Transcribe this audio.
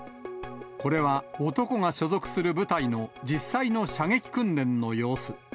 これは男が所属する部隊の実際の射撃訓練の様子。